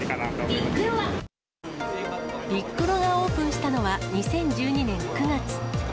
ビックロがオープンしたのは２０１２年９月。